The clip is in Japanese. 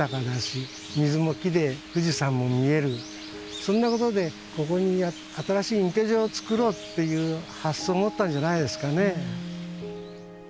そんなことでここに新しい隠居所をつくろうっていう発想を持ったんじゃないですかね。